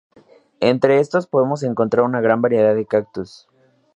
Entre estos podemos encontrar una gran variedad de cactus.